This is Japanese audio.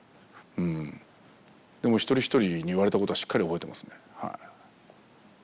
でも一人一人に言われたことはしっかり覚えてますね。